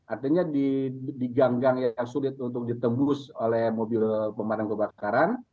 artinya di gang gang yang sulit untuk ditembus oleh mobil pemadam kebakaran